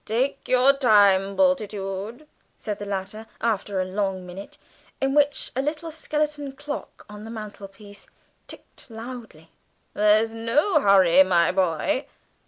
"Take your time, Bultitude," said the latter, after a long minute, in which a little skeleton clock on the mantelpiece ticked loudly "there's no hurry, my boy."